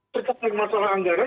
tertekan masalah anggaran